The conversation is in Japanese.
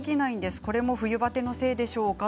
これも冬バテのせいでしょうか？